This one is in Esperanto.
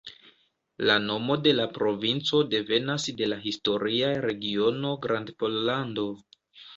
La nomo de la provinco devenas de la historia regiono Grandpollando.